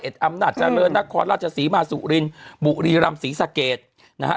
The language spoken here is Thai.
เอ็ดอำนาจเจ้าเรินนักคอร์ดราชศรีมาสุรินบุรีรำศรีสะเกดนะครับ